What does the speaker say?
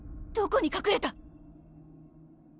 どこにかくれた？